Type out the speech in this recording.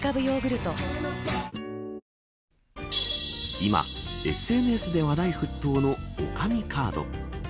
今、ＳＮＳで話題沸騰の女将カード。